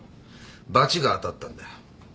罰が当たったんだよ。